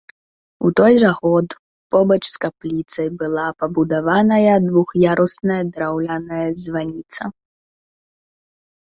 У той жа год, побач з капліцай была пабудаваная двух'ярусная драўляная званіца.